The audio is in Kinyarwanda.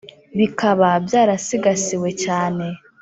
bikaba byarasigasiwe cyane